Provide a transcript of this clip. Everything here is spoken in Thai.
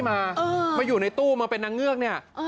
มามาอยู่ในตู้มาเป็นนางเงือกเนี่ย